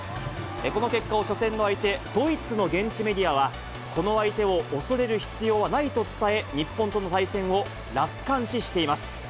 この結果を初戦の相手、ドイツの現地メディアは、この相手を恐れる必要はないと伝え、日本との対戦を楽観視しています。